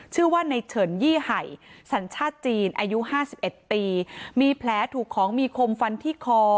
ชื่อว่าในเฉินยี่ไห่สัญชาติจีนอายุห้าสิบเอ็ดปีมีแผลถูกของมีคมฟันที่คอ